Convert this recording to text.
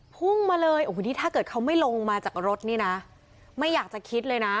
พุ่งมาเลยโอ้โหนี่ถ้าเกิดเขาไม่ลงมาจากรถนี่นะไม่อยากจะคิดเลยนะ